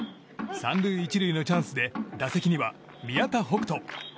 ３塁１塁のチャンスで打席には宮田輝星。